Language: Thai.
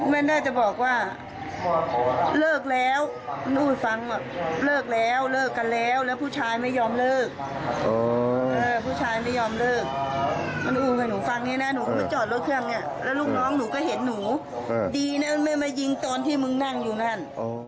แล้วลูกน้องหนูก็เห็นหนูดีนะไม่มายิงตอนที่มึงนั่งอยู่นั่น